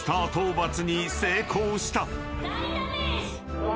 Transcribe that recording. うわ。